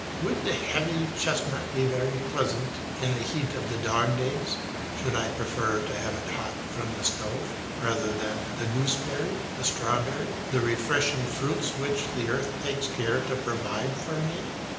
Would the heavy chestnut be very pleasant in the heat of the dog days; should I prefer to have it hot from the stove, rather than the gooseberry, the strawberry, the refreshing fruits which the earth takes care to provide for me.